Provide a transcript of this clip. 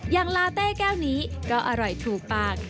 อย่างลาเต้แก้วนี้ก็อร่อยถูกปาก